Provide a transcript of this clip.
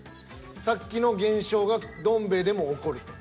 さっきの現象がどん兵衛でも起こると。